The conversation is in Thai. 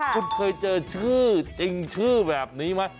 คุณเคยเจอชื่อจริงชื่อแบบนี้ไหม